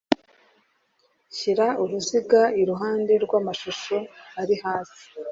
Shyira uruziga iruhande rw amashusho ari hasi